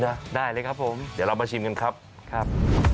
นะได้เลยครับผมเรามาชิมกันครับครับ